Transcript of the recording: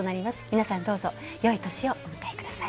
皆さん、どうぞよいお年をお迎えください。